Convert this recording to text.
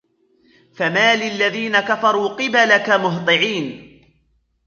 فمال الذين كفروا قبلك مهطعين